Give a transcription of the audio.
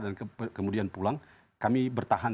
dan kemudian pulang kami bertahan